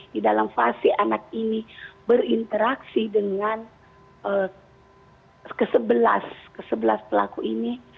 di dalam fase anak ini berinteraksi dengan kesebelas pelaku ini